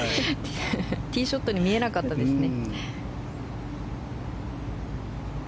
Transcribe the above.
ティーショットに見えなかったですね。